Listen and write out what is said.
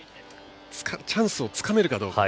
チャンスをつかめるかどうか。